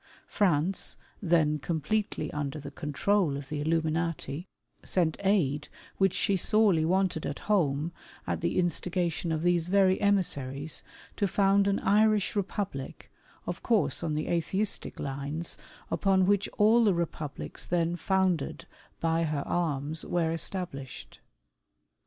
France, then completely under the control of the Illuminati, sent aid which she sorely wanted at home, at the instigation of these very emissaries, to found an Irish Eepublic, of course on the Atheistic lines, upon which all the Republics then founded by her arms, were established.